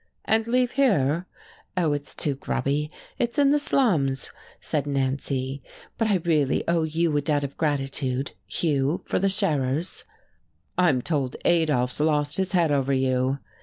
"And leave here?" "Oh, it's too grubby, it's in the slums," said Nancy. "But I really owe you a debt of gratitude, Hugh, for the Scherers." "I'm told Adolf's lost his head over you."